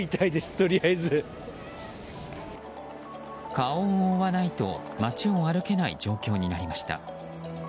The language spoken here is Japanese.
顔を覆わないと街を歩けない状況になりました。